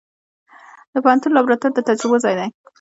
د پوهنتون لابراتوار د تجربو ځای دی.